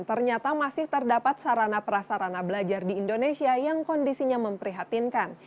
ternyata masih terdapat sarana prasarana belajar di indonesia yang kondisinya memprihatinkan